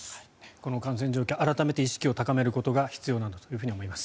この感染状況改めて意識を高めることが必要なんだと思います。